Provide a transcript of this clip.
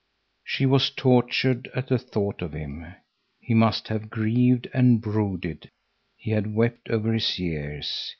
She was tortured at the thought of him! He must have grieved and brooded. He had wept over his years.